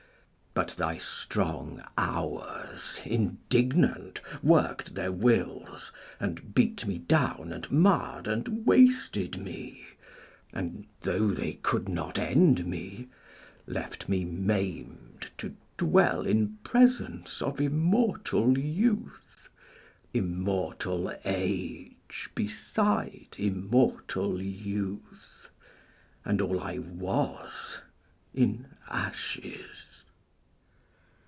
But thy strong Hours indignant work'd their wills, And beat me down and marr'd and wasted me, And tho' they could not end me, left me maim'd To dwell in presence of immortal youth, Immortal age beside immortal youth, And all I was, in ashes.